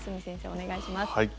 お願いします。